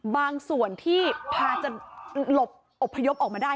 บางส่วนที่พาจะหลบอบพยพออกมาได้